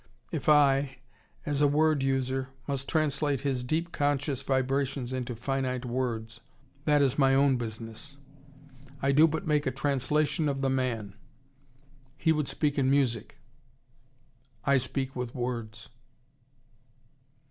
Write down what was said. If I, as a word user, must translate his deep conscious vibrations into finite words, that is my own business. I do but make a translation of the man. He would speak in music. I speak with words.